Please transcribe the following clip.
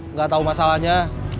nggak tahu masalahnya